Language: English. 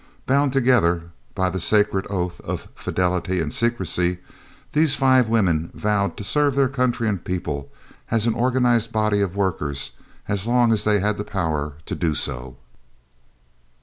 Bound together by the sacred oath of fidelity and secrecy, these five women vowed to serve their country and people, as an organised body of workers, as long as they had the power to do so.